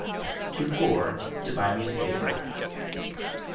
Too Poor to Buy Music Paper.